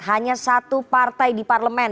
hanya satu partai di parlemen